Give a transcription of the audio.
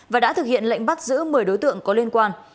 và đã thực hiện lệnh bắt giữ một mươi đối tượng có liên quan